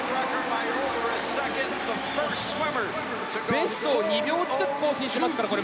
ベストを２秒近く更新してますからこれ、